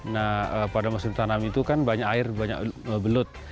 nah pada musim tanam itu kan banyak air banyak belut